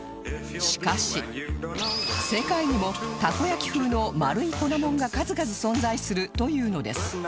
しかし世界にもたこ焼き風の丸い粉モンが数々存在するというのです